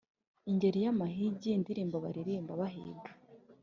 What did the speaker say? ingeri y’amahigi indirimbo baririmba bahiga